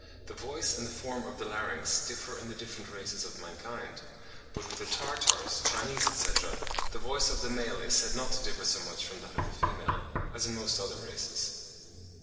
the voice and the form of the larynx differ in the different races of mankind; but with the Tartars, Chinese, etc., the voice of the male is said not to differ so much from that of the female, as in most other races.